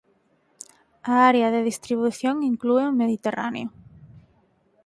A área de distribución inclúe o Mediterráneo.